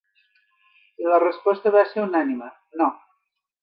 I la resposta va ser unànime: no.